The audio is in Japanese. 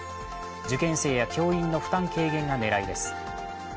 受験生や教員の負担軽減が狙いです。